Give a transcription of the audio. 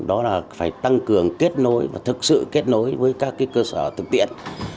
đó là phải tăng cường kết nối và thực sự kết nối với các cơ sở thực tiện